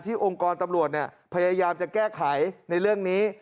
องค์กรตำรวจพยายามจะแก้ไขในเรื่องนี้